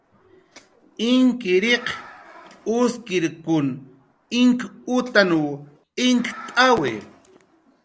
Inkkiriq uskirkun inkutanw inkt'awi